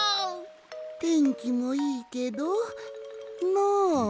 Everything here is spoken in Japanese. てんきもいいけどのう？